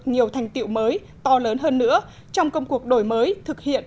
nhiều thành tiệu mới to lớn hơn nữa trong công cuộc đổi mới thực hiện